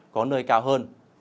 có nơi cao hơn